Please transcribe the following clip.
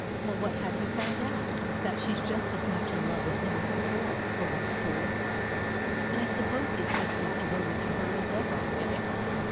Well, what have you found out?" "That she's just as much in love with him as before the little fool!" "And I suppose he's just as devoted to her as ever eh?"